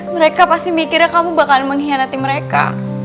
mereka pasti mikirnya kamu bakal mengkhianati mereka